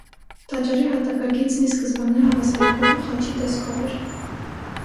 Տաճարի հատակագիծն ի սկզբանե հավասարակողմ խաչի տեսքով էր։